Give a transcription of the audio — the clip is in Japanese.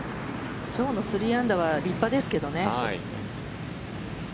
今日の３アンダーは立派ですけどね。